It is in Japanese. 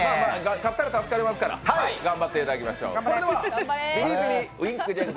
勝ったら助かりますから、頑張ってもらいましょう。